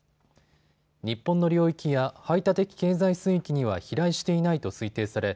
日本の領域や排他的経済水域には飛来していないと推定され